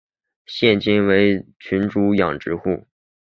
现今多为群猪养殖户。